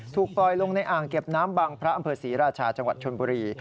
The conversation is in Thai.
ปล่อยลงในอ่างเก็บน้ำบังพระอำเภอศรีราชาจังหวัดชนบุรี